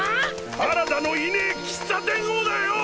原田のいねぇ喫茶店をだよ！